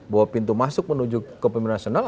bahwa pintu masuk menuju kepimpinan nasional